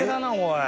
い